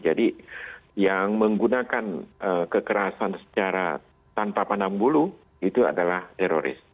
jadi yang menggunakan kekerasan secara tanpa pandang bulu itu adalah teroris